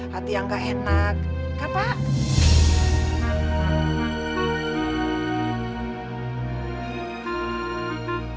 hati yang gak enak